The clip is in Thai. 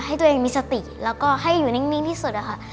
ให้ตัวเองมีสติแล้วก็ให้อยู่นิ่งที่สุดอะค่ะ